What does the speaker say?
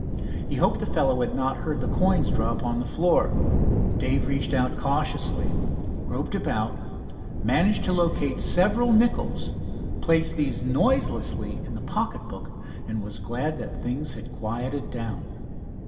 He hoped the fellow had not heard the coins drop on the floor. Dave reached out cautiously, groped about, managed to locate several nickels, placed these noiselessly in the pocket book, and was glad that things had quieted down.